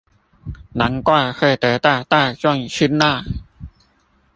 難怪會得到大眾親睞